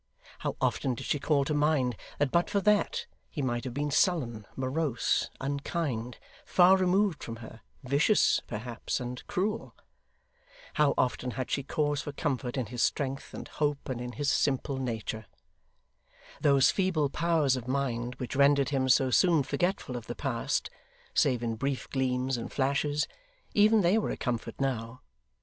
How often did she call to mind that but for that, he might have been sullen, morose, unkind, far removed from her vicious, perhaps, and cruel! How often had she cause for comfort, in his strength, and hope, and in his simple nature! Those feeble powers of mind which rendered him so soon forgetful of the past, save in brief gleams and flashes, even they were a comfort now.